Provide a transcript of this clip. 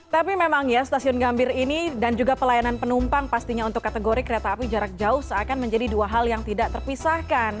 tapi memang ya stasiun gambir ini dan juga pelayanan penumpang pastinya untuk kategori kereta api jarak jauh seakan menjadi dua hal yang tidak terpisahkan